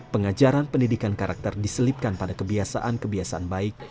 pengajaran pendidikan karakter diselipkan pada kebiasaan kebiasaan baik